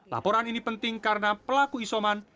laporan ini penting karena pelaku isoman